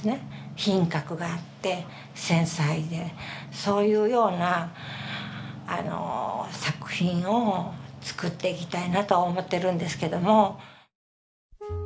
品格があって繊細でそういうような作品を作っていきたいなとは思ってるんですけども。